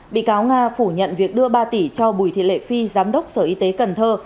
bị cáo nga phủ nhận việc đưa ba tỷ cho bùi thị lệ phi giám đốc sở y tế cần thơ